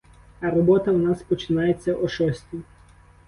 А робота у нас починається о шостій.